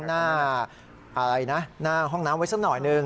หน้าอะไรนะหน้าห้องน้ำไว้สักหน่อยหนึ่ง